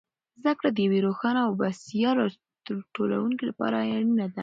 زده کړه د یوې روښانه او بسیا راتلونکې لپاره اړینه ده.